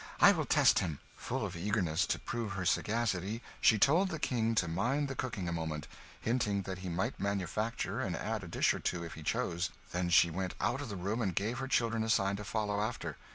I will test him." Full of eagerness to prove her sagacity, she told the King to mind the cooking a moment hinting that he might manufacture and add a dish or two, if he chose; then she went out of the room and gave her children a sign to follow after.